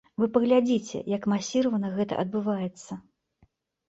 Вы паглядзіце, як масіравана гэта адбываецца.